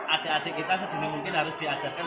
adik adik kita sedini mungkin harus diajarkan